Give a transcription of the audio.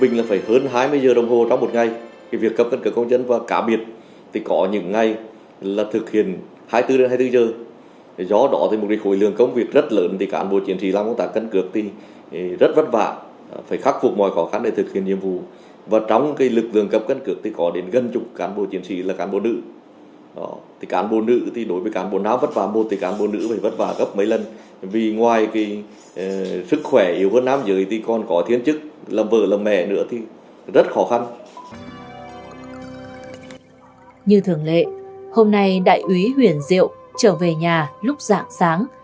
như thường lệ hôm nay đại úy huyền diệu trở về nhà lúc dạng sáng